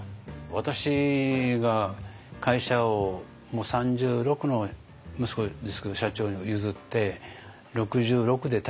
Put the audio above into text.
私が会社をもう３６の息子ですけど社長に譲って６６で退任したでしょ。